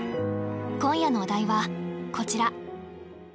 今夜のお題はこちら。